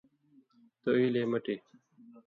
تُو ایلیۡ اْے مٹی!